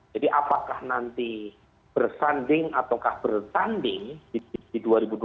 jadi apakah nanti bersanding atau bertanding di dua ribu dua puluh empat